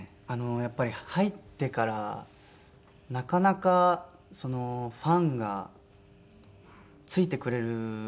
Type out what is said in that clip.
やっぱり入ってからなかなかファンがついてくれる事がなくて。